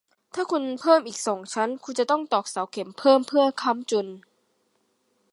ถ้าคุณเพิ่มอีกสองชั้น คุณจะต้องตอกเสาเข็มเพิ่มเพื่อค้ำจุน